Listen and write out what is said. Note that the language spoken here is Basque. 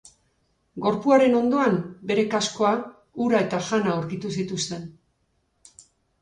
Gorpuaren ondoan bere kaskoa, ura eta jana aurkitu zituzten.